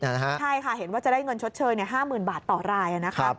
ใช่ค่ะเห็นว่าจะได้เงินชดเชิญ๕หมื่นบาทต่อราย